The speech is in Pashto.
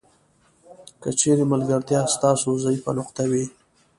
که چیرې ملګرتیا ستاسو ضعیفه نقطه وي.